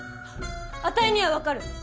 あたいにはわかる。